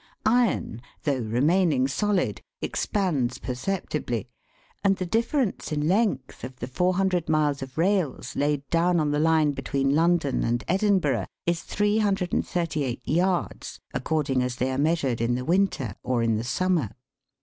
Iron, though remaining solid, expands perceptibly, and the difference in length of the 400 miles of rails laid down on the line between London and Edinburgh is 338 yards, 28 THE WORLD'S LUMBER ROOM. according as they are measured in the winter or in the summer.